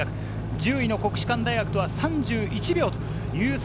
１０位の国士館大学とは３１秒差。